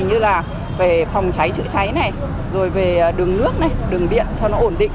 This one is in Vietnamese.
như là về phòng cháy chữa cháy này rồi về đường nước này đường điện cho nó ổn định